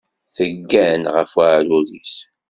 Teggan ɣef uɛrur-is.